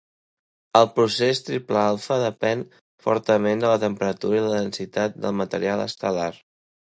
El procés triple alfa depèn fortament de la temperatura i la densitat del material estel·lar.